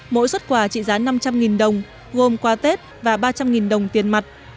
mỗi xuất quà trị giá năm trăm linh đồng gồm quà tết và ba trăm linh đồng tiền mặt